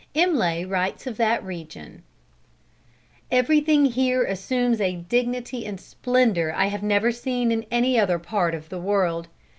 Imlay writes of that region: "Everything here assumes a dignity and splendor I have never seen in any other part of the world.